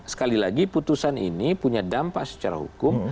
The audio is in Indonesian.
sekali lagi putusan ini punya dampak secara hukum